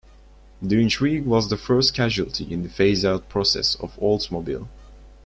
The Intrigue was the first casualty in the phase-out process of Oldsmobile.